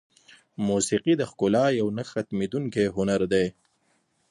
موسیقي د ښکلا یو نه ختمېدونکی هنر دی.